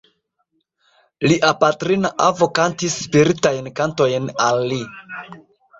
Lia patrina avo kantis spiritajn kantojn al li.